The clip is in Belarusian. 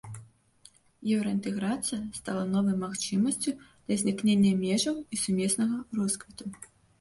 Еўраінтэграцыя стала новай магчымасцю для знікнення межаў і сумеснага росквіту.